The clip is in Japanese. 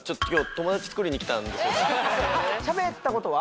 しゃべったことは？